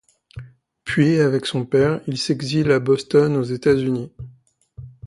Puis, avec son père, ils s’exilent à Boston, aux États-Unis.